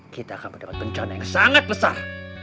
kita akan mendapat bencana yang sangat besar